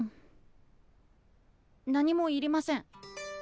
何もいりません。